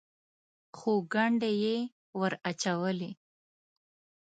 خو ګنډې یې ور اچولې.